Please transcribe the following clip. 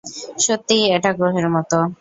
সত্যিই, এটা গ্রহের মতো।